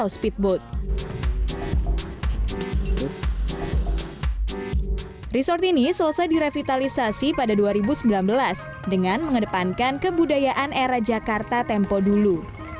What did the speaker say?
respeedboat ini selesai direvitalisasi pada dua ribu sembilan belas dengan mengedepankan kebudayaan era jakarta tempo dulu